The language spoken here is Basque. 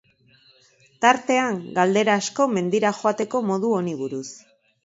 Tartean, galdera asko mendira joateko modu honi buruz.